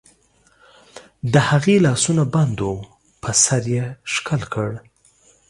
د هغې لاسونه بند وو، په سر یې ښکل کړ.